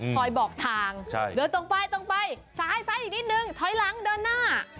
บอกทางเดินตรงไปตรงไปซ้ายซ้ายอีกนิดนึงถอยหลังเดินหน้า